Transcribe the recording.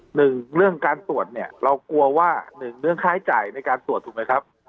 หนึ่งเรื่องการตรวจเนี่ยเรากลัวว่าหนึ่งเรื่องค่าใช้จ่ายในการตรวจถูกไหมครับ